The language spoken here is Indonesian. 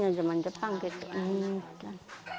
pada zaman jepang atau lainnya